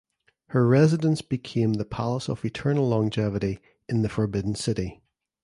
Her residence became the Palace of Eternal Longevity in the Forbidden City.